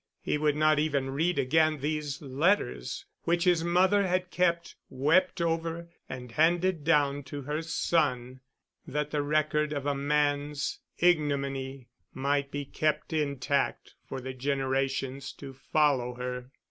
He would not even read again these letters which his mother had kept, wept over, and handed down to her son that the record of a man's ignominy might be kept intact for the generations to follow her.